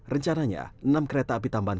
rencananya enam kereta api tambahan